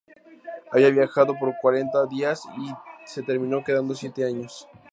Había viajado por cuarenta días y se terminó quedando siete años.